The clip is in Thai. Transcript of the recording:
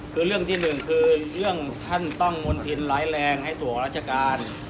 คือเรื่องที่หนึ่งคือเรื่องท่านต้องมณฑินร้ายแรงให้ตัวราชการ